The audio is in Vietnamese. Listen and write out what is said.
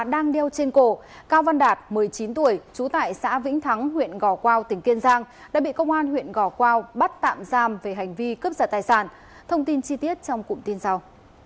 đang đeo trên cổ cao văn đạt một mươi chín tuổi trú tại xã vĩnh thắng huyện gò quao tỉnh kiên giang đã bị công an huyện gò quao bắt tạm giam về hành vi cướp giật tài sản thông tin chi tiết trong cụm tin sau